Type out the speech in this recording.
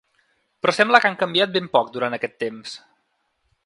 Però sembla que han canviat ben poc durant aquest temps.